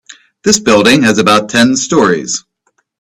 This building has about ten storeys.